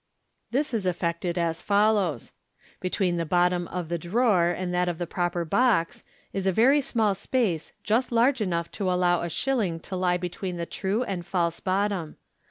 This is effected as follows: — Between the bottom of the drawer and that of the box proper is a very small space, just large enough to allow a shilling to lie between the true and false bot tom.